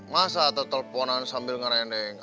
masa teteleponan sambil ngerendeng